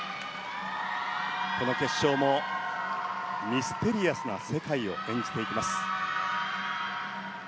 この決勝もミステリアスな世界を演じていきます。